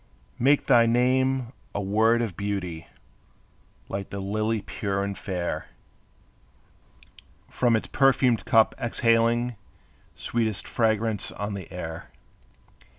Make thy name a word of beauty, Like the lily pure and fair, From its perfumed cup exhaling Sweetest fragrance on the air.